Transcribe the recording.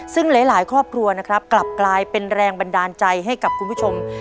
ซึ่งหลายครอบครัวนะครับกลับกลายเป็นแรงบันดาลใจให้กับคุณผู้ชม